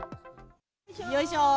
よいしょ。